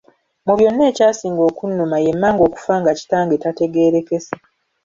Mu byonna ekyasinga okunnuma ye mmange okufa nga Kitange tategeerekese.